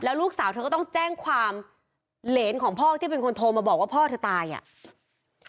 ลูกสาวเธอก็ต้องแจ้งความเหรนของพ่อที่เป็นคนโทรมาบอกว่าพ่อเธอตายอ่ะ